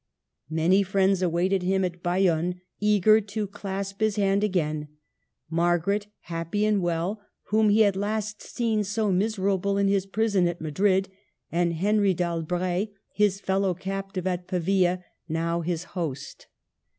Many friends awaited him at Bayonne, eager to clasp his hand again, — Margaret, happy and well, whom he had last seen so mis erable in his prison at Madrid, and Henry d'Albret, his fellow captive at Pavia, now his host.